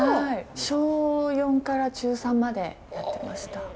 小４から中３までやってました。